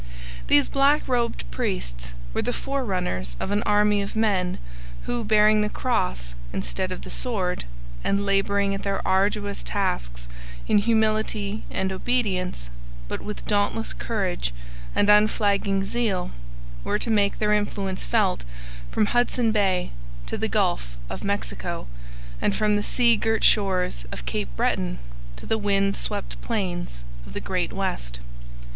These black robed priests were the forerunners of an army of men who, bearing the Cross instead of the sword and labouring at their arduous tasks in humility and obedience but with dauntless courage and unflagging zeal, were to make their influence felt from Hudson Bay to the Gulf of Mexico, and from the sea girt shores of Cape Breton to the wind swept plains of the Great West.